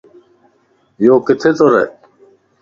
يوڪٿي تو ره؟